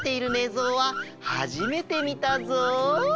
ぞうははじめてみたゾウ！